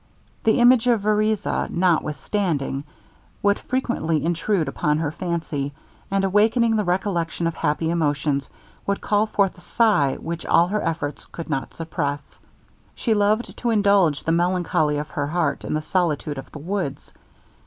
The image of Vereza, notwithstanding, would frequently intrude upon her fancy; and, awakening the recollection of happy emotions, would call forth a sigh which all her efforts could not suppress. She loved to indulge the melancholy of her heart in the solitude of the woods.